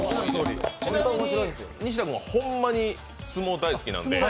ちなみに西田君はほんまに相撲大好きなんで。